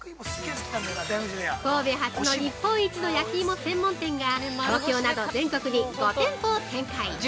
神戸発の日本一の焼き芋専門店が東京など全国に５店舗を展開。